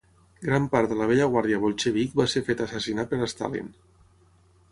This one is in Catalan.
Gran part de la vella guàrdia bolxevic va ser feta assassinar per Stalin.